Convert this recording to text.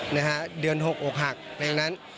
นะฮะเดือน๖อกหักในนั้น